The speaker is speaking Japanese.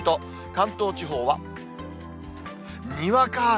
関東地方はにわか雨。